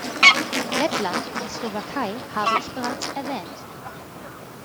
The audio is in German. Lettland und die Slowakei habe ich bereits erwähnt.